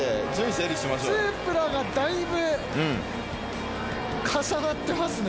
スープラがだいぶ重なってますね。